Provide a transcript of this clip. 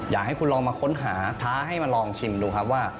อยากให้คุณลองมาค้นหาท้าให้มาลองชิมดูครับว่า